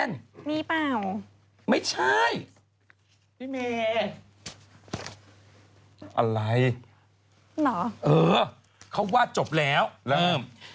นั่นมีเปล่าไม่ใช่พี่เมย์อะไรน่ะเออเขาว่าจบแล้วเริ่ม